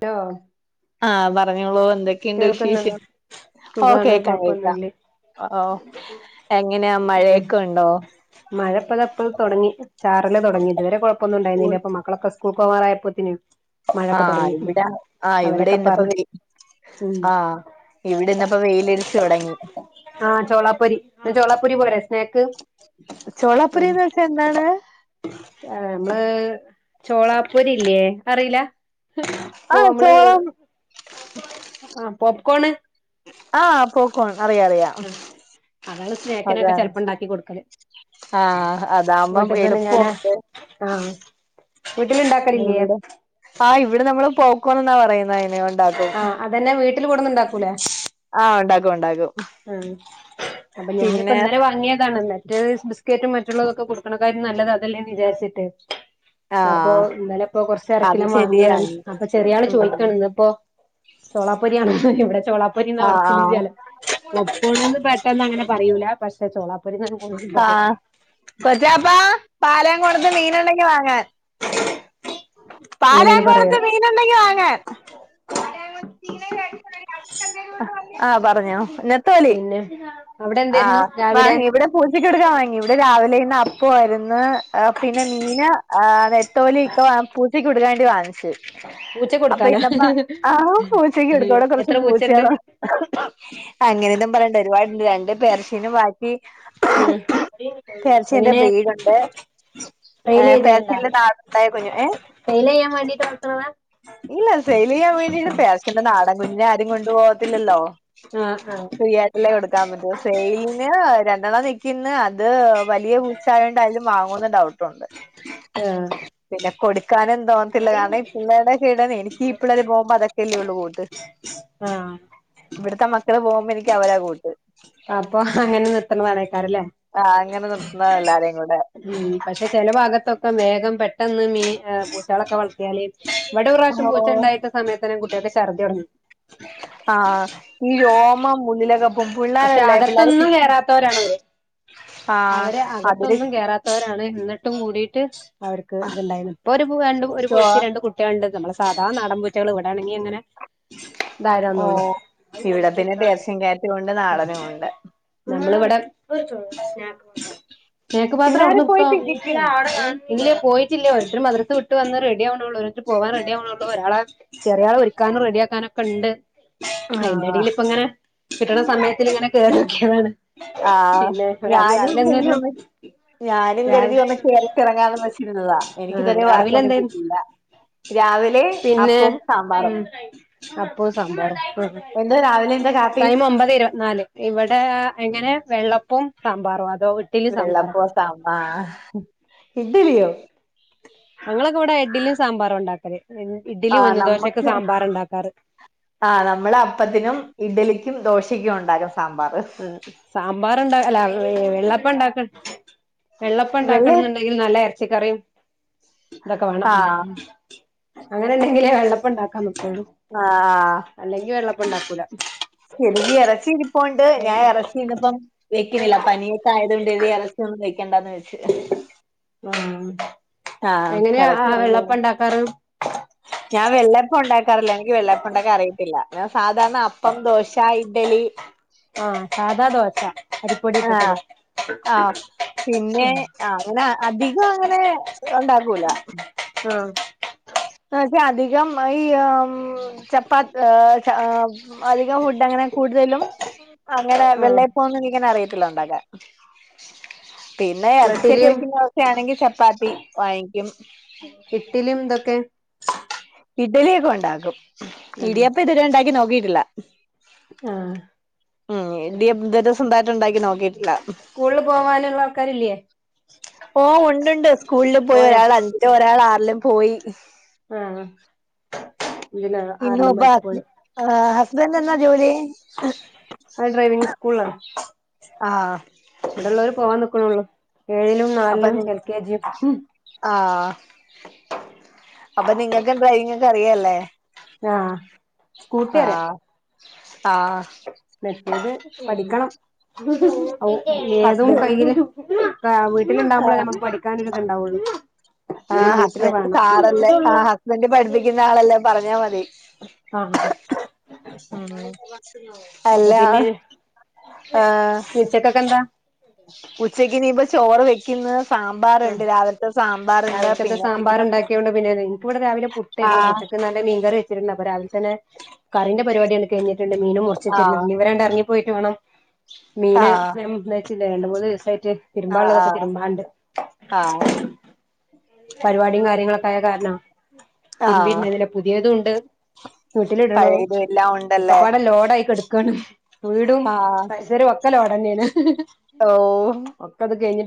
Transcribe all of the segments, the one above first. To ആഹ് പറഞ്ഞോളൂ എ എന്തൊക്കെയുണ്ട് വിശേഷം ഓ സുഖാണ് ക്കേ ക്ക [unintelligible] കൊഴപ്പൊന്നുല്ല ഒ ഓ എങ്ങനെയാ മഴയൊക്കെ ഉണ്ടോ? മഴപ്പതാപ്പം തുടങ്ങി ചാറല് തുടങ്ങി ഇതുവരെ കുഴപ്പമൊന്നുണ്ടായിരുന്നില്ല്യ പ്പം മക്കളൊക്കെ സ്ക് കൂക്കോറായപ്പോത്തിന് ആഹ ഇവിടെ ആ ഇവിടെ അവരൊക്കെ ഇന്നപ്പോ പറഞ്ഞു ലീ ഉം ആഹ ഇവിടെന്ന്പ്പോ വെയിലിരിച്ചൊടങ്ങി. ആഹ് ചോളാപ്പൊരി ചോളാപ്പൊരി പോരെ സ്നാക്ക്. ചോളാപ്പുരീന്ന് വെച്ചാ എന്താണ്? ആ നമ്മള് ചോളാപ്പൂരിയില്ല്യേ അറിയിലാ.? ഇപ്പൊ ആഹ് നമ്മള് ചോളം ആ പോംപ്കോണ്. അറിയാ അറിയാ ആഹ് അതാണ് സ്നേക്കിനൊക്കെ അതാ ചെലപ്പോ ഇണ്ടാക്കി കൊടുക്കല് ആഹ അതാകുമ്പം വീട്ടിൽ തന്നെ ഞാനാ എളുപ്പുണ്ട്. ആഹ് വീട്ടിലുണ്ടാക്കലില്ലേ ഇവിടെ ആഹ് ഇവിടെ നമ്മള് പോപ്‌കോൺ എന്നാ പറയുന്നേ അയിനോണ്ടാകും ടന്നുണ്ടാക്കൂലേ? ആഹ ഉണ്ടാക്കും ഉണ്ടാക്കും. ഉം അപ്പൊ ഞാനിപ്പൊ പിന്നെ ഇന്നലെ വാങ്ങിയതാണ്. ന്നട്ട് ബിസ്ക്കേറ്റും മറ്റുള്ളതൊക്കെ കൊടുക്കണ [unintelligible] നല്ലത് അതെല്ലന്ന് വിചാരിച്ചിട്ട് അപ്പൊ ആഹ് ഇന്നലെപ്പോ അത് കൊറച്ചരക്കിലോം വാങ്ങിയതാണ്. ശരിയാണ് അപ്പൊ ചെറിയ ആള് ഉം ചോയ്ക്കാണ് ഇന്ന്പ്പോ ചോളാപ്പൊരി ആണ്. ഹ് ഇവിടെ ആഹ് ചോളാപ്പൊരിന്നാപറച്ചില് ആഹ് ജല പോപ്‌കോണ്‌ന്ന് പെട്ടെന്ന് അങ്ങനെ പറയൂല പക്ഷെ ചോ ആഹ കൊച്ചാപ്പാ പാലേംകോടത്ത് മീനൊണ്ടെങ്കി വാങ്ങാൻ. അങ്ങനെയാണ് പാലാകോറത്തെ പറയാറ് മീനൊണ്ടെങ്കി വാങ്ങാൻ ഹ് [unintelligible] സിഗ്‌നൽ ക ആഹ പറഞ്ഞോ നെത്തോലി പിന്നെ അവിടെ ആ എന്തായിരുന്നു രാവിലെ വാങ്ങി ഇവിടെ പൂച്ചയ്ക്ക് കൊടുക്കാൻ വാങ്ങി. ഇവിടെ രാവിലെ ഇന്ന് അപ്പവായിരുന്ന്. ന്ന് പിന്നെ മീന ആ നത്തോലി ക്ക പൂച്ചക്ക് കൊടുക്കാണ്ടി വാങ്ങി [unintelligible] പൂച്ച അപ്പൊ കൊടുക്കാനാ എന്നപ്പ ആ പൂച്ചക്കെടുത്തോടെ കുറച്ച് എത്ര പൂച്ചണ്ട് പൂച്ചയാണോ ഹ് ഹ് ഗ്ഹ് ഗഹ് അങ്ങനെ [unintelligible] ആഹ് പേർഷ്യന്റെ എങ്ങനെ ബ്രീഡുണ്ട് ട്രെൽ ചെയ്തേണ്ടാ പേർഷ്യന്റെ നാടുണ്ടായ കുഞ്ഞു ഏ ട്രെൽ ചെയ്യാൻ വേണ്ടീട്ട് [unintelligible] ഇല്ല സെയിൽ ചെയ്യാൻ വേണ്ടിട്ട് [unintelligible] നാടൻ കുഞ്ഞിനെ ആരും കൊണ്ടു പോകത്തില്ലല്ലോ. ആഹ് ആഹ് [unintelligible] ന്നനിക്ക്ന്ന് ആ അത് വലിയ പൂച്ചായോണ്ടാര്ലും വാങ്ങോന്ന് ഡൗട്ടുണ്ട്. ആഹ് പിന്നെ കൊടുക്കാ കാനെന്തോന്നത്തില്ല കാരണം ഈ പിള്ളേയുടെക്കെടന്നെ എനിക്കീ പിള്ളേര് പോകുമ്പോ അതൊക്കയല്ലേ ഉള്ളൂ കൂട്ട്. ആഹ് ഇവിടുത്തെ മക്കള് പോകുമ്പോ എനിക്ക് അവരാ കൂട്ട്. അപ്പൊ അങ്ങനെ നിർത്തണ [unintelligible] കാരല്ലേ ആ അങ്ങനെ നിർത്തുന്നത എല്ലാരേയും കൂടെ മ്മ്ഹ് പക്ഷെ ചെല ഭാഗത്തൊക്കെ വേഗം പെട്ടെന്ന് മീൻ ഏഹ് പൂച്ചകളൊക്കെ വളർത്തിയാല് ഓ ഇവിടൊർറാശം പൂച്ച ഉണ്ടായിട്ടാസമയത്ത് കുട്ട്യാക്ക് ഛർദ്യോടങ്ങി. ആഹ ഈ രോമം ഉുള്ളിലകപ്പൊമ്പു പക്ഷെ അകത്തൊന്നും കേറാത്തോരാണ വര്. ആ അവര് അതില് അകത്തൊന്നും കേറാത്തോരാണ്. എന്നിട്ടും കൂടിയിട്ട് അവർക്ക് ആ, ഇത്ണ്ടായിനു. ഇപ്പൊ ഒരു പൂ രണ്ടു ഒരു പൂച്ചേ രണ്ട് കുട്ട്യാൾണ്ട്. നമ്മള് സാധാ നാടൻപൂച്ചകള് ഇവിടാണെങ്കിലങ്ങനെ ഓ ന്താരാന്ന്ള്ളു. ഇവിടെ പിന്നെ പേർഷ്യൻ ക്യാറ്റും ഉണ്ട് നാടനും ഉണ്ട് നമ്മളിവിടെ പിള്ളേര് പോയി പിടിക്കും ഇല്ല പോയിട്ടില്യ ഓരോരുത്തര് മദ്രസവിട്ട് വന്ന് റെഡി ആവുണോള്ള്ര്. പോവാൻ റെഡി ആവ്ണൊള്ളൂ, ഒരാെളെ, ചെറിയാളെ, ഒരുക്കാനും റെഡിയാക്കാനൊക്കെണ്ട് ആഹ് അതിന്റെടേൽ ഇപ്പ അങ്ങനെ കിട്ടണ സമയത്തിലിങ്ങനെ കേറ്യോ ക്കിയതാണ് ആഹ് ഞാനും എന്തായിരുന്നു [unintelligible] ഞാനും കരുതി രാവി ഒന്ന് കേറിക്കെറങ്ങാന്നും വെച്ച് ച്ചിരുന്നതാ എനിക്ക് ആ ഇതരേ രാവിലെ വർക്കൊന്നും എന്തായിരുന്നു കിട്ടീല്ലാ രാവിലേ പിന്നെ അപ്പവും സാമ്പാറും ഉം അപ്പവും സാമ്പാറും ഉം എന്താ രാവിലെ എന്താ കാപ്പി ടൈം ഒമ്പത് ഇരുപത്നാല് ഇവിടേ എങ്ങനെ വെള്ളപ്പവും സാമ്പാറും ആ വെള്ളപ്പോം സാമ്പാ ഇഡ്ഡ്ലിയോ ഞങ്ങളൊക്കെ ഇവിടെ ഇഡ്ഡിലീം സാമ്പാറും ഒണ്ടാക്കല്. ഇ ഇഡ്ഡലി ആഹ് ഉഴുന്ന് ദോശക്ക് നമ്മക്ക് സാമ്പാറ ണ്ടാക്കാറ് ആഹ് നമ്മള് അപ്പത്തിനും ഇഡ്ഡലിക്കും ദോശയ്ക്കും ഒണ്ടാക്കും ആഹ് സാമ്പാറ്ണ്ടാ അല്ല വെള്ളപ്പം ഉണ്ടാക്ക വെള്ളപ്പം വെള്ള ണ്ടാക്കണം ന്നുണ്ടെങ്കിൽ നല്ല എറച്ചിക്കറിയും ഇതൊക്കെ വേണം ആഹ് അങ്ങനെ ഉണ്ടെങ്കിലേ വെള്ളപ്പം ഉണ്ടാക്കാം [unintelligible] അല്ലെങ്കി വെള്ളപ്പണ്ടാക്കൂല [unintelligible] എറച്ചി കി പ്പോണ്ട് ഞാൻ എറച്ചി ഇന്നിപ്പം വെക്കുന്നില്ല പനിയൊക്കെ ആയത് കൊണ്ട് ഇനി എറച്ചി ഒന്നും വെ ക്കണ്ടാന്ന് വെച്ച് ഉം ആഹ് എറച്ചി [unintelligible] ഞാൻ വെള്ളപ്പം ഒണ്ടാ ക്കാറില്ല എനിക്ക് വെള്ളപ്പോണ്ടാക്കാനറിയത്തില്ലാ ഞാ സാധാരണ അപ്പം ദോശ ഇഡ്ഡലി ആ സാധാ ദോശ അരിപ്പൊടി ആഹ് ഇട്ടിട്ടില്ല ആഹ് പിന്നേ അ അങ്ങന അധികം അങ്ങനേ ഒണ്ടാക്കൂല ആ എന്നച്ച അധികം ഈ ആമ് ചപ്പാ ഏഹ് ച ആ അധികം ഫുഡ് അങ്ങനെ കൂടുതലും അങ്ങനെ ആ വെള്ളയപ്പോന്നും നിങ്ങനെ അറിയ ത്തില്ലാ ഒണ്ടാക്കാൻ പിന്നേ എറച്ചിയൊക്കെ ഇഡ്ഡലിയും വെക്കുന്ന അവസ്ഥയാണെങ്കിൽ ചപ്പാത്തി വാങ്ങിക്കും. ഇട്ടില്യും ദൊക്കെ ഇഡലിയൊക്കെ ഒണ്ടാക്കും ഇടിയപ്പം ഇതുവരെയും ഒണ്ടാക്കി നോക്കീട്ടില്ല ആഹ് ഇടിയപ്പം ഇതുവരെ സ്വന്തായിട്ട് ഉണ്ടാക്കി നോക്കിയിട്ടില്ല. സ്കൂള് പോവാനുള്ള ആൾക്കാരില്യേ ഓ ഒണ്ട്ണ്ട് സ്കൂള് പോയി പോയാ ഒരാൾ അഞ്ചിലും ഒരാൾ ആറിലും പോയി ആ ആഹ് ഇതില് ഇന്നൊ ആറിലും പോയിട്ട് പോയി [unintelligible] ആഹ് ഹസ്ബൻഡ് എന്നാ ജോലീ ആ ഡ്രൈവിങ് സ്കൂളാണ്. ആ ഇവിടെ ഒള്ളവര് പോവാൻ നിക്കണോള്ളു ഏഴിലും അപ്പൊ നാലിലും എൽകെജി ലും അപ്പ നിങ്ങക്ക് എന്തുവാ [unintelligible] ഒക്കെ അറിയാല്ലേ ആഹ് സ്കൂട്ട്യാറിയ ആ മെറ്റേത് പഠിക്കണം ഓക്ക് ഏതും ഹസ്ബൻഡ് കൈര് താ വീട്ടിലുണ്ടാവുമ്പളാ നമുക്ക് പഠിക്കാനൊരു ഇത് ഉണ്ടാവുള്ളൂ ആ ഹസ്ബൻഡ് കാടല്ലേ ആ ഹസ്ബൻഡ് പഠിപ്പിക്കുന്ന ആളല്ലേ പറഞ്ഞാ മതി ആഹ് ഹ ഉം അല്ലാ ന്നി ഉച്ചക്കെക്കെന്താ ഉച്ചയ്ക്ക് ഇനീപ്പ ചോറ് വെക്കുന്ന് ആ രാവിലക്കോക്കെ പിന്നെ സാമ്പാർ എന്തെങ്കിലും ഉണ്ടാക്കിയോണ്ട് പിന്നെ എന് എൻക്ക് ഇവിടെ രാവിലെ ആ പുട്ടരുന്നു പുട്ട് ക്ക് നല്ല മീൻകറി വെച്ചിട്ടുണ്ട്. അപ്പൊ രാവിൽതന്നേ കറീന്റെ പരിപാട്യങ്ങട്ട് കഴിഞ്ഞിട്ടുണ്ട്, മീനും മുർചെച്ച് ആ ട്ടുണ്ട്. നിവരാണ്ട് എറങ്ങി പോയിറ്റ് വേണം ആ മീന് വേം വെച്ചില്ല, രണ്ട് മൂന്ന് ദിവസായി തിരുമ്പാൻ ആ ഉള്ളതൊക്കെ തിരുമ്പാണ്ട് ആ ആഹ് പരിവാട്യും കാര്യങ്ങളൊക്കായ കാരണം ആ തിരുമ്പി ഇടനതിൽ പുതിയതും ഇണ്ട് വീട്ടില് ഇടണോം പഴയതും എല്ലാം ഉണ്ടല്ലേ ഒക്കപ്പാടെ ലോഡായിക്കെടക്കാണ് വീടും പൈസരും ഒക്കെ ലോഡെന്ന്യേണ് ഓഹ്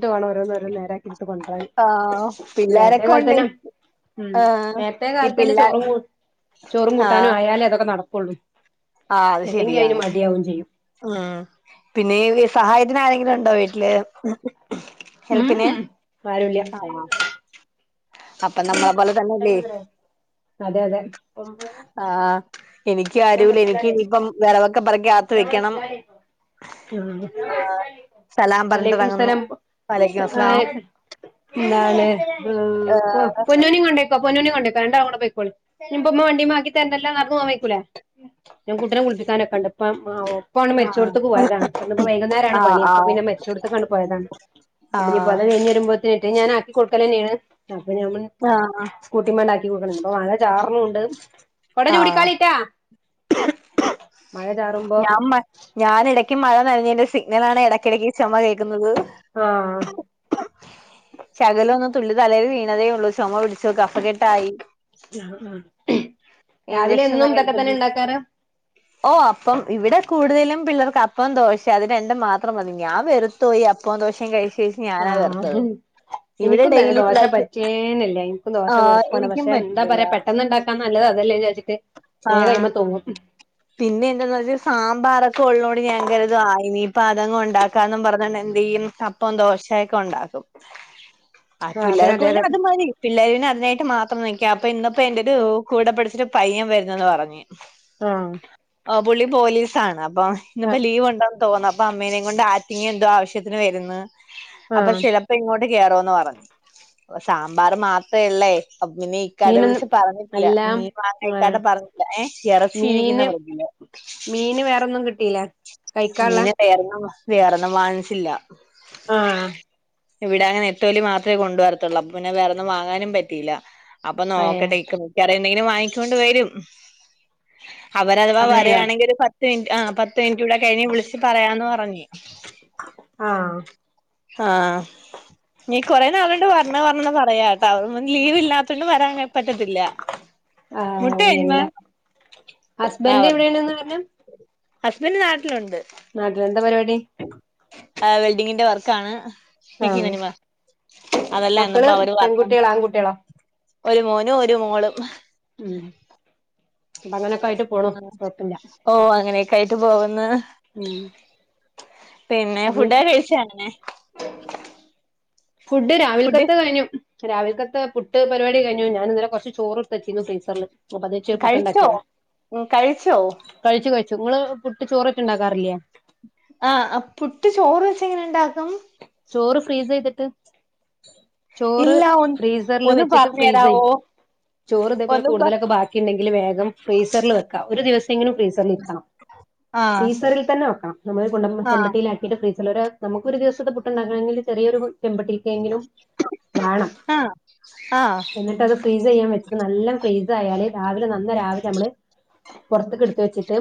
വേണം ഓരോന്നോരോന്നേരത്ത് ആഹ് പിള്ളേരൊക്കൊണ്ടെ കാലത്തന്നെ ഉം നേത്തെേ കാലത്തെന്നെ ചോറും ചോറും ആഹ് കൂട്ടാനും ആയാലേ അതൊക്കെ നടക്കുള്ളൂ ആഹ് അത് അല്ലെങ്കിയയിന് ശരിയാണ് മട്യാവും ചെയ്യും ഉം പിന്നെ സഹായത്തിന് ആരെങ്കിലും ഉണ്ടോ വീട്ടില് ഹെൽപിന് ഉം ആരുല്ല ആഹ് അപ്പൊ നമ്മളെ പോലെ തന്നെല്ലേ അതെ അതെ ആഹ് എനിക്കാരൂല്ല എനിക്ക് ഇനിയിപ്പം വെറകൊക്കെ പെറുക്കി ആത്ത് വെക്കണം ആഹ് സലാം പറഞ്ഞിട്ടിറങ്ങുന്നു വഅലൈക്കുമുസ്സലാം വലൈക്കും അസ്സലാം [unintelligible] എന്താണ് ഉം പ്പൊ ഏഹ് പൊന്നാനി കൊണ്ടോ ഉമ്മ വണ്ടിമ്മേ ആക്കി തരണ്ടല്ലോ ചിക്കാനോക്കെണ്ട് പ്പം ആഹ് ഓഹ് ഇപ്പോൺ ആഹ് മെര്‌ച്ചോട്ത്ത്ക്ക് പോയതാണ് ഇന്ന്പ്പോ വൈകുന്നേരാണ് ആഹ് പണി അപ്പൊ ആഹ് പിന്നെ മെര്ച്ചൂട്ത്ത്ക്കാണ്ട് പോയതാണ് അപ്പിനിപ്പൊ അത് ആഹ് കയിഞ്ഞ് വെരുമ്പോത്തെ റ്റെ ഞാനാ ക്കി കൊട്ക്കലെന്നേണ് അപ്പ ഞമ്മള് ആഹ് സ്കൂട്ടിമ്മാണ്ട് ആക്കി കൊട് [unintelligible] പ്പോ മഴ ചാറ്ണുണ്ട് കൊട ആഹ് ചൂടിക്കാളിട്ടാ മഴ ചാറുമ്പോ ഞാൻ മ ഞാനിടയ്ക്ക് മഴ നനഞ്ഞേന്റെ സിഗ്നലാണ് എടെയ്ക്കെടയ്ക്കീ ചൊമ കേക്ക്ന്നത് ആഹ് ശകലം ഒന്ന് തുള്ളി തലേല് വീണതേ ഒള്ളൂ ചാെമ പിടിച്ചു കഫകെട്ടായി രാവിലെ ഇഞ്ചക്ഷൻ എന്നും ഇതൊക്കെ തന്നെ [unintelligible] ഉണ്ടാക്കാറ് ഓഹ് അപ്പം ഇവിടെ കൂട്തെലും പിള്ളേർക്ക് അപ്പോം ദോശേ അത് രണ്ടും മാത്രം മതി ഞാൻ വെറ്ത്തോയി അപ്പോം ദോശേം കഴിച്ച് കഴിച്ച് ഞാനാ വെറുത്തത് ആഹ് ഇവിടെ എനിക്കും രന്നെ ഡെയിലി ദോശ പിള്ളേർക്ക് പറ്റേയില്ല ഇൻ ക്കും ആ ദോശ വെർപ്പാണ് എനിക്കും പക്ഷെ ന്താ പറ്റുന്നില്ല പറ്യാ പെട്ടന്ന്ണ്ടാക്കാം നല്ലതതെല്ലേചാര്ച്ച്ട്ട് വേഗം ആഹ് അയ്മ്മെ തൂങ്ങും പിന്നെ എന്താന്ന് വെച്ച സാമ്പാറൊക്കെ ഉള്ളോട് ഞാൻ കര്തും ആ ഇനി പ്പതങ്ങുണ്ടാക്കാന്നും പറഞ്ഞ് ഞാനെന്തെയ്യും അപ്പോം ദോശേയക്കെ ഒണ്ടാക്കും ആഹ് അതെ പിള്ളേർക്ക് അതെ പിന്നെ അതെ അത് മതി പിള്ളേര്നത് തായിട്ട് മാത്രം നിക്ക, അപ്പൊ ഇന്നിപ്പോ എന്റൊരു കൂടെ പഠിച്ചൊരു പയ്യൻ വരുന്നെന്ന് പറഞ്ഞ് ആഹ പുള്ളി പോലീസാണ്, അപ്പൊ ഇന്നിപ്പോ ലീവ് ഉണ്ടോ തോന്ന അപ്പമ്മേനെങ്കൊണ്ട് ആറ്റിങ്ങെന്തോ ആവശ്യത്തിന് വരുന്ന്. അപ്പൊ ആഹ് ചിലപ്പോ ഇങ്ങോട്ട് ന്ന് കേറോന്ന് പറഞ്ഞ്, പ്പോ സാമ്പാർ മാത്രേള്ളേ... അപ് പിന്നെ ഇക്കാനെ മീനൊന്നും വിളിച്ച് പറഞ്ഞിട്ടില്ല. അല്ലാ മീൻ വാങ്ങാൻ ആഹ് ഇക്കാടെ പറഞ്ഞാട്ടില്ല. ഏ ഇറച്ചി ഇരി [unintelligible] മീന് വേറൊന്നും കിട്ടീല്ല മീന് വേറൊന്നും, വേറൊന്നും വാങ്ങിച്ചില്ല. ആഹ ഇവിടാണെ നെത്തോലി മാത്രേ കൊണ്ടുവരത്തൊള്ളൂ അപ്പപിന്നെ വേറൊന്നും വാങ്ങാനും പറ്റിയില്ല. അപ്പൊ അയേ നോക്കട്ടെ ക്ക ഇക്ക മിക്ക്യവാറുംയെന്തെങ്കിലും വാങ്ങികൊണ്ട് വരും അവരഥവാ വരയാണെങ്കിൽ ഒരു പത്ത് മിനിറ്റ് ആ പ മിൻറ്റൂടെ കഴിഞ്ഞ് വിളിച്ച് പറയാന്ന് പറഞ്ഞ് ആഹ് ആഹ നീ കൊറേ നാള്കൊണ്ട് വര്ണം വര്ണന്ന് പറയാട്ടോ [unintelligible] ലീവ് ഇല്ലാത്തൊണ്ടും വരാൻ പറ്റത്തില്ല. ആഹ് മുട്ടയേന്മാ അങ്ങനെയാണ്ല്ലേ ഹസ്ബൻഡ് എവിടെയാണ്ന്ന് ള്ളത് ഹസ്ബൻഡ് നാ [unintelligible] എന്താ പരിപാടി? വെൽഡിംഗിന്റെ വർക്കാണ് എ ആഹ് കനണ വ അതല്ല എന്നപ്പ മക്കള് അവര് വാർത്ത പെൺകുട്ടികളാ ആൺകുട്ടികളോ ഒരു മോനും ഒരു മോളും ഉം അപ്പൊ അങ്ങനൊക്കെ ആയിട്ട് പോണു കൊഴപ്പില്ല ഓ അങ്ങനെ നെ പോകന്ന് ഉം പിന്നെ ഫുഡ ഉം കഴിച്ചെ ഫുഡ് ഫുഡ് രാവിലത് കഴിഞ്ഞു രാവിലെക്കാതെ പുട്ട് പരിപാടി കഴിഞ്ഞു ഞാൻന്നെ കുറച്ച് ചോർ എടുത്തച്ചിരുന്നു ഫ്രീസറിില് അപ്പൊത്വെച്ച് കഴിച്ചോ പുട്ട്ണ്ടാക്കിയതാ ഉം കഴിച്ചോ കഴിച്ചു കഴിച്ചു നിങ്ങള് പുട്ട് ചോറ് പുട്ട് ഉണ്ടാറില്ല ആഹ് പുട്ട് ചോറ് വെച്ച ഇങ്ങനെണ്ടാക്കും ചോറ് ഫ്രീസ് ചെയ്തിട്ട് ചോറ് ഇല്ല ഒ ഫ്രീസറില് ഒന്ന് വെച്ചിട്ട് പറഞ്ഞു ഫ്രീസ് ചെയ്യ തരാവോ ചോറ് ഇതേപോലെ ഒന്ന് പ കൂടുതലൊക്കെ ബാക്കിയുണ്ടെങ്കിൽ വേഗം ഫ്രീസറിൽ വെക്കാം ഒരു ദിവസം കിലും ഫ്രീസറിൽരിക്കണം ആഹ് ഫ്രസൽന്നെവേക്കണം നമ്മൾ ആഹ് ചെമ്പട്ടിൽ ആക്കിട് ചില നമുക്ക് ഒരു ദിവസത്തെ പുട്ടുണ്ടാക്കണെങ്കിൽ ചെറിയൊരു ചെമ്പട്ടി വേണം ആഹ് ആഹ് എന്നിട്ട്ത് ഫ്രീസ് ചെയ്യാൻ വച്ച് നല്ല ഫ്രീസ് ആയാല് രാവിലെ നന്ന രാവിലെ നമ്മള് പുറത്തക്കെ എടുത്ത് വെച്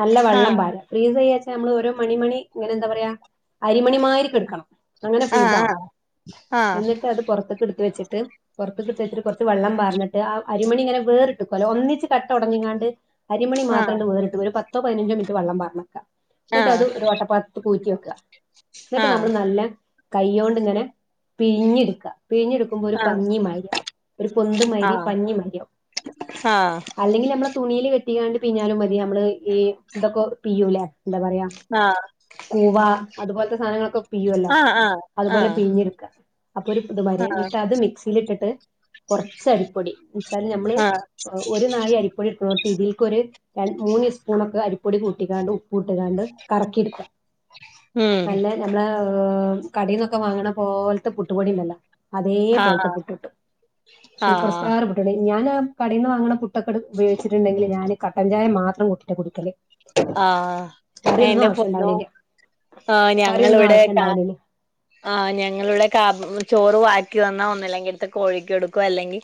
നല്ല ആഹ് വെള്ളം പാര ഫ്രീസ് വേച്ച് നമ്മൾ രോ മണി മണി ഇങ്ങനെ എന്താ പറയാ അരിമണി മാരിക്ക അങ്ങനെ ആ ഫ്രീസ് ആണം ആ എന്നിട്ട് അത് പുറത്തേക്ക എടുത്ത് വെച്ച പുറത്ത് എടുത് വെച്ചിട്ട് കുറച് വെള്ളം ന്നട്ട് ആ അരിമണിങ്ങനെ വേറിട്ടും അല്ല ഒന്നിച്ച് കട്ടഓടഞ്ഞിണ്ട് അരിമണി ആ മാത്രംണ്ട് വേറിട്ടും ഒരു പ പത്തോ പതിനഞ്ചോ മിനിറ്റ് വെള്ളം പറാർന്ന്ക്ക ആ എന്നിട്ട് അത് ഒരു വട്ടപ്പാത്ത് ഊറ്റി വെക്കുക ആ ആ എന്നിട്ട് നമ്മൾ നല്ല കൈൊണ്ട്ങ്ങനെ പിഴിഞ്ഞെടുക്ക പിഴിഞ്ഞെടുക്കുമ്പോ ഒരു പഞ്ഞിമാരിയാവും ഒരു ആ ആ പൊത്ന്മാരി പഞ്ഞി മരിയാവും ആ ആ അല്ലെങ്കിൽ നമ്മെ തുണിൽ കെട്ടിക്കാണ്ട് പിഞ്ഞാലും മതി നമ്മള് ഈ ഇതൊക്കെ പിയുലെ എന്താ പറയാ കൂവ അതുപോലത്തെ സാധനങ്ങളൊക്കെ പ്യുയല്ലോ ആ ആ ആ അതുപോലെ പിഞ്ഞെടുക്ക അപ്പൊ ഒരു ഇ മരുന്നിട്ട് അത് മിക്സിൽ ഇട്ടിട്ട് കുറച്ച അരിപ്പൊടി എന്നെച്ചാല് നഞമ്മള് ആ ഒരു നാഴെ അരിപ്പൊടി ഇക്കണോട്ട് ഇതിൽക്കൊ ഒരു ര [unintelligible] മൂന്നിസ്പൂണെക്കെ അരിപ്പൊടി കൂട്ടിക്കാണ്ട് ഉപ്പുട്ട്ക്കാണ്ട് കറക്കിട്ക്കാ ഉം നല്ല നമ്മളേ ഏമ് കടീന്നൊക്കെ വാങ്ങണ പോൽത്തെ പുട്ടുപൊടീണ്ടാലോ അതേ ആ പോലത്തെ പുട്ട്ട്ടും ആ സൂപ്പർ സ്റ്റാർ പുട്ടിണ്ട് ഞാനാ കടീന്ന് വാങ്ങണ പുട്ടക്കട് ഉപയോഗിച്ചിട്ട്ണ്ടെങ്കില് ഞാന് കട്ടൻ ചായ മാത്രംകൂട്ടിട്ടാ കുടിക്കല് ആഹ കറിയൊന്നും [unintelligible] ആവശ്യം പോന്നു ഉണ്ടാവലില്ല ആഹ കറിയൊന്നും ഞങ്ങളിവിടെ ആവശ്യം കാ ഉണ്ടാവലില്ല ആഹ ഞങ്ങളിവിടെ കാ ചോറ് വാക്കിവന്നാ ഒന്നില്ലെങ്കിൽ എട്ത്ത് കോഴിക്ക്കൊടുക്കും അല്ലെങ്കി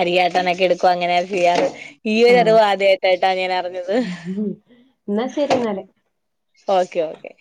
അരിയാട്ടാനൊക്കെ എടുക്കും അങ്ങനെ ചെയ്യാറ് ഈ ഒരു ആ അറിവ് ആദ്യയിട്ടാട്ടോ ഞാനറിഞ്ഞത് ഇന്നാ ശെരി ന്നാല് ഓക്കെ ഓക്കെ